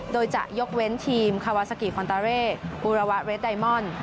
โดยจะยกเว้นทีมคาวาซากิคอนตาเร่บูระวะเรดไดมอนด์